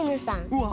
うわ。